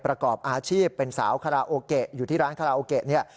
ประกอบอาชีพเป็นสาวคาราโอเกะอยู่ที่ร้านคาราโอเกะเนี่ย